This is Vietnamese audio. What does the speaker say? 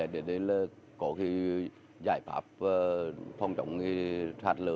để có giải pháp phong trọng sạt lở